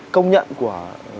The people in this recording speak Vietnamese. công nhận của